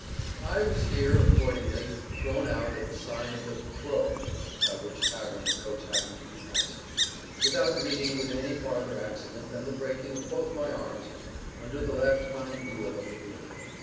I was here, accordingly, thrown out at the sign of the "Crow" (by which tavern the coach happened to be passing), without meeting with any farther accident than the breaking of both my arms, under the left hind wheel of the vehicle.